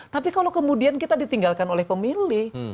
tapi kalau kemudian kita ditinggalkan oleh pemilih